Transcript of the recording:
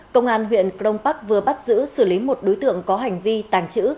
công an huyện crong park vừa bắt giữ xử lý một đối tượng có hành vi tàng trữ